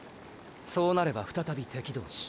そうなれば再び敵同士。